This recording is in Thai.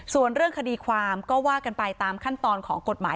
ส่วนเรื่องคดีความก็ว่ากันไปตามขั้นตอนของกฎหมาย